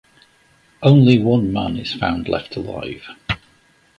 Only one man is found left alive.